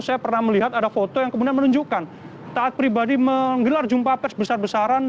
saya pernah melihat ada foto yang kemudian menunjukkan taat pribadi menggelar jumpa pers besar besaran